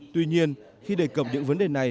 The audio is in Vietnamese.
tuy nhiên khi đề cập những vấn đề này